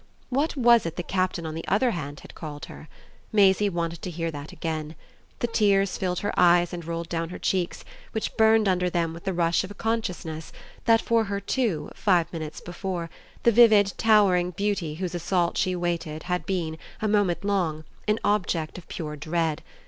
What was it the Captain on the other hand had called her? Maisie wanted to hear that again. The tears filled her eyes and rolled down her cheeks, which burned under them with the rush of a consciousness that for her too, five minutes before, the vivid towering beauty whose assault she awaited had been, a moment long, an object of pure dread.